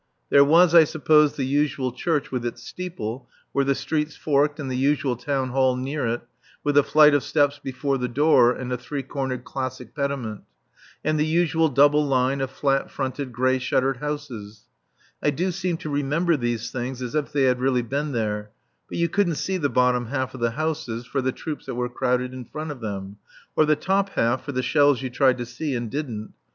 There was, I suppose, the usual church with its steeple where the streets forked and the usual town hall near it, with a flight of steps before the door and a three cornered classic pediment; and the usual double line of flat fronted, grey shuttered houses; I do seem to remember these things as if they had really been there, but you couldn't see the bottom half of the houses for the troops that were crowded in front of them, or the top half for the shells you tried to see and didn't.